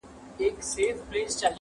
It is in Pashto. په ځنځیر د دروازې به هسي ځان مشغولوینه!!